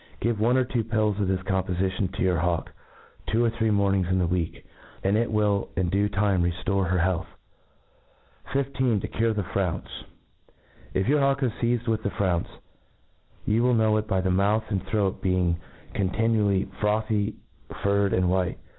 Give one or two pills of this compofi tion to your hawk two or three mornings in the week ; and it will in du9 time rcftore her , health. 15. jTi cure the Frownce. If your hawk is feized with the frownce, Jrou will know it by the ipouth and throat being con tinually frothy, furred, and white.